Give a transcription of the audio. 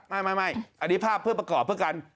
ไม่อันนี้ภาพเพื่อประกอบเพื่อกัน